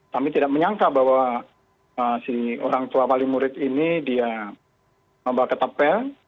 kami tidak menyangka bahwa si orang tua wali murid ini dia membawa ke tepel